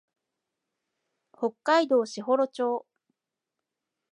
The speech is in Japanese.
北海道士幌町